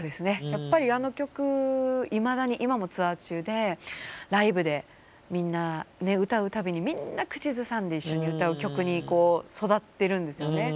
やっぱりあの曲いまだに今もツアー中でライブでみんな歌う度にみんな口ずさんで一緒に歌う曲に育ってるんですよね。